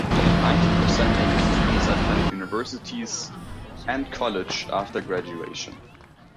Ninety percent of its students attend universities and college after graduation.